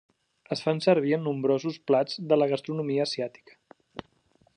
Es fan servir en nombrosos plats de la gastronomia asiàtica.